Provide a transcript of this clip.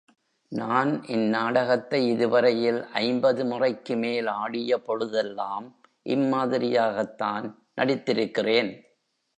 நான் இந் நாடகத்தை இதுவரையில் ஐம்பது முறைக்குமேல் ஆடிய பொழுதெல்லாம் இம்மாதிரியாகத்தான் நடித்திருக்கிறேன்.